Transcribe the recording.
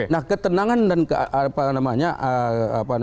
nah ketenangan dan